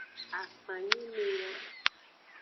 Akpanyime yo.